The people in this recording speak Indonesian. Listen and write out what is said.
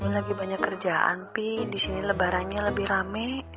lagi banyak kerjaan pi disini lebarannya lebih rame